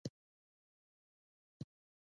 مثالونه يي ووایاست.